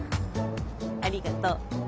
ありがとう。